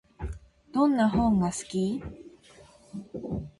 どんな本が好き？